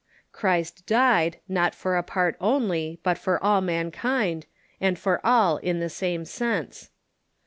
Christ died, not for a part only, but for all mankind, and for all in the same sense ; 3.